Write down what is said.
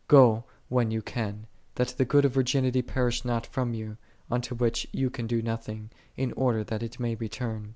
Go when ye can, that the good of virginity perish not from you, unto which ye can do nothing, in order that it may return.